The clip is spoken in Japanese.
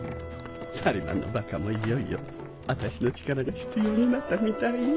サリマンのバカもいよいよ私の力が必要になったみたいよ。